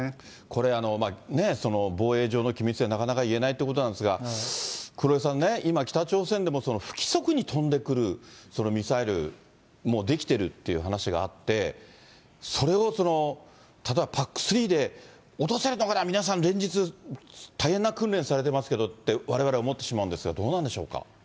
これ、防衛上の機密でなかなか言えないっていうことなんですが、黒井さんね、今、北朝鮮でも不規則に飛んでくるミサイルも出来てるっていう話があって、それを、例えば、ＰＡＣ３で落とせるのかな、皆さん、連日、大変な訓練されてますけどって、われわれ思ってしまうんですが、どうなんでしょうか。